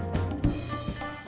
mereka udah berangkat